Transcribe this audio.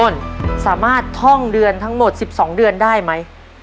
สามารถท่องเดือนทั้งหมด๑๒เดือนได้ไหม